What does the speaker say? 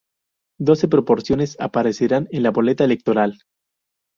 Doce proporciones aparecerán en la boleta electoral.